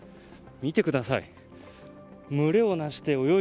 見てください。